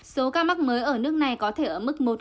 số ca mắc mới ở nước này có thể ở mức một